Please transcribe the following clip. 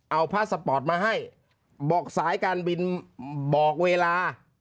เอาพาสปอร์ตมาให้บอกสายการบินบอกเวลา